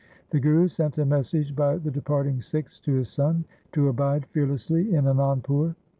The Guru sent a message by the departing Sikhs to his son to abide fearlessly in Anandpur.